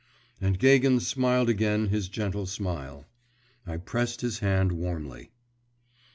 And Gagin smiled again his gentle smile. I pressed his hand warmly.